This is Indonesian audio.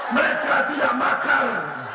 mereka tidak makar